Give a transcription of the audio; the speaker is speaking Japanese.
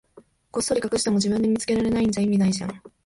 こっそり隠しても、自分で見つけられないんじゃ意味ないじゃん。